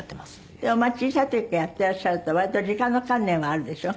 でも小さい時からやっていらっしゃると割と時間の観念はあるでしょ？